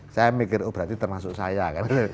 saya mikir oh berarti termasuk saya kan